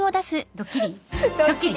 ドッキリ？